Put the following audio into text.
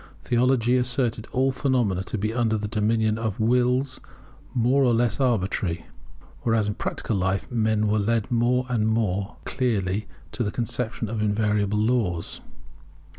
Theology asserted all phenomena to be under the dominion of Wills more or less arbitrary: whereas in practical life men were led more and more clearly to the conception of invariable Laws.